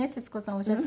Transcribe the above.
お写真。